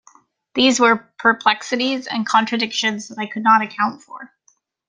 These were perplexities and contradictions that I could not account for.